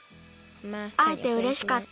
あえてうれしかった。